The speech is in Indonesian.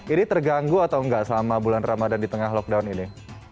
ini terganggu atau enggak selama bulan ramadan di tengah lockdown ini